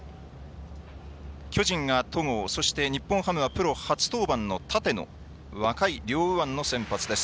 巨人が戸郷、そして日本ハムがプロ初登板の立野若い両右腕の先発です。